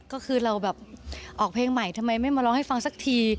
ก็คือเราแบบออกเพลงใหม่ทำไมไม่มาร้องให้ฟังสักที